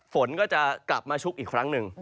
ฝนก็จะกลับมาชุกอีกครั้งหนึ่ง